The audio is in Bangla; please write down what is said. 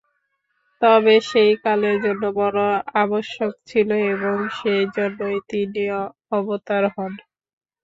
তবে সেই কালের জন্য বড় আবশ্যক ছিল এবং সেই জন্যই তিনি অবতার হন।